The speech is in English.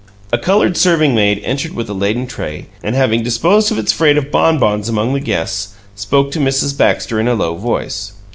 A colored serving maid entered with a laden tray, and, having disposed of its freight of bon bons among the guests, spoke to Mrs. Baxter in a low voice.